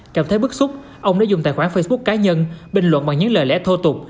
cảm thấy bức xúc ông đã dùng tài khoản facebook cá nhân bình luận bằng những lời lẽ thô tục